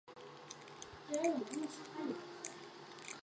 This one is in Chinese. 协和廊桥位于四川省资阳市安岳县协和乡九村。